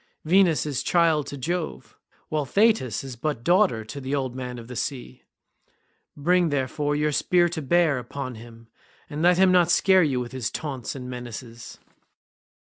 Venus is child to Jove, while Thetis is but daughter to the old man of the sea. Bring, therefore, your spear to bear upon him, and let him not scare you with his taunts and menaces."